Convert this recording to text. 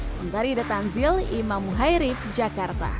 menteri the tanzil imam muhairif jakarta